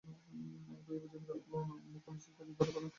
একই অভিযোগে রাহুল ও আনু পুলিশের কাছে ধরা পরেন।